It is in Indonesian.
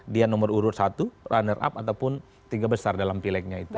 dia nomor urut satu runner up ataupun tiga besar dalam pilegnya itu